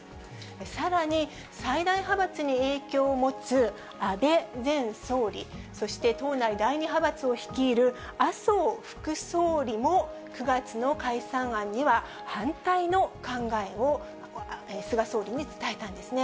さらに最大派閥に影響を持つ安倍前総理、そして党内第２派閥を率いる麻生副総理も、９月の解散案には反対の考えを、菅総理に伝えたんですね。